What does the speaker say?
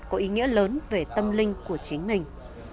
có ý nghĩa lớn về tâm linh của chính mình